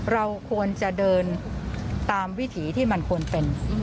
เราควรจะเดินตามวิถีที่มันควรเป็น